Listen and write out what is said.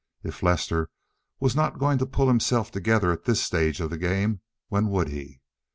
If Lester was not going to pull himself together at this stage of the game, when would he?